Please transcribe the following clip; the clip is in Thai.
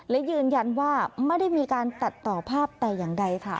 และยืนยันว่าไม่ได้มีการตัดต่อภาพแต่อย่างใดค่ะ